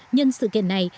nhân sự kiện này